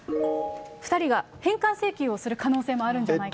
２人が返還請求をする可能性もあるんじゃないかと。